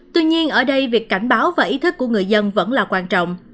tuy nhiên ở đây việc cảnh báo và ý thức của người dân vẫn là quan trọng